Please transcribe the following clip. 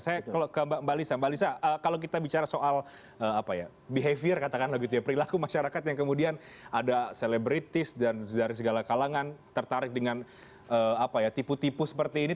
saya kalau ke mbak lisa mbak lisa kalau kita bicara soal behavior katakanlah gitu ya perilaku masyarakat yang kemudian ada selebritis dan dari segala kalangan tertarik dengan tipu tipu seperti ini